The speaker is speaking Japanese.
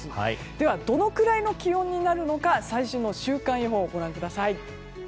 では、どのくらいの気温になるのか最新の週間予報をご覧ください。